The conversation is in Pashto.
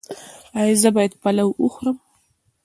ایا زه باید پلاو وخورم؟